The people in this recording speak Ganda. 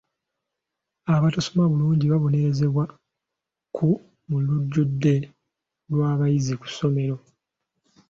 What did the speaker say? Abatasoma bulungi babonerezebwa ku mu lujjudde lw'abayizi ku ssomero.